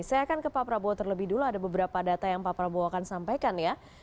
saya akan ke pak prabowo terlebih dulu ada beberapa data yang pak prabowo akan sampaikan ya